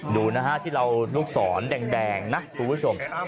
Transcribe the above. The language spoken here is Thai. ดูนะฮะที่เราลูกศรแดงนะคุณผู้ชม